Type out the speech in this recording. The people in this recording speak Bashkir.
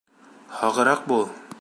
Һағыраҡ бул.